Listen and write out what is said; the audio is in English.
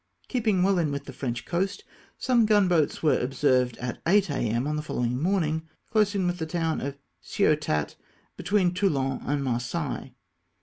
Keeping well in with the French coast, some gun boats were observed at 8 a.m. on the following morning close in with the town of Ciotat, between Toulon and Marseilles.